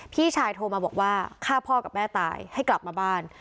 พี่ชายโทรมาบอกว่าฆ่าพ่อกับแม่ตายให้กลับมาบ้าน